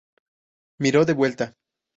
Miro de vuelta.